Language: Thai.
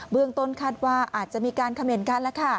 เรื่องต้นคาดว่าอาจจะมีการเขม่นกันแล้วค่ะ